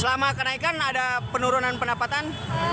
selama kenaikan ada penurunan pendapatan